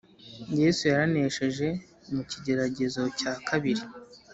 Yesu yaranesheje mu kigeragezo cya kabiri